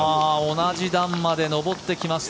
同じ段まで上ってきました。